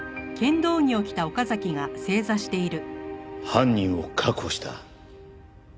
犯人を確保した。